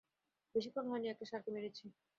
বেশীক্ষণ হয়নি একটা ষাড় কে মেরেছি।